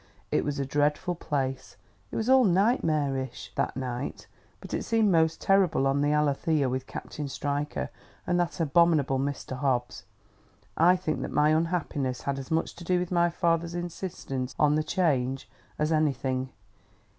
It was a dreadful place; it was all night marish, that night, but it seemed most terrible on the Alethea with Captain Stryker and that abominable Mr. Hobbs. I think that my unhappiness had as much to do with my father's insistence on the change, as anything.